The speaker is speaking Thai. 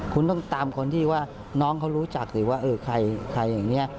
คุณต้องตามคนที่ว่าน้องเขารู้จักสิว่าเออใครอย่างนี้